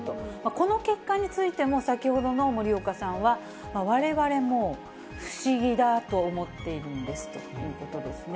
この結果についても、先ほどの森岡さんは、われわれも不思議だと思っているんですということですね。